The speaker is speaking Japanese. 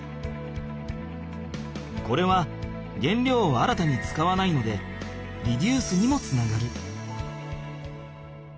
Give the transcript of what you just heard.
これはげんりょうを新たに使わないのでリデュースにもつながる。